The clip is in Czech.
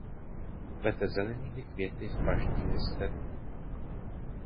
Kvete zelenými květy v paždí listenů.